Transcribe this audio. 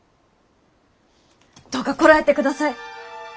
どうかこらえてください。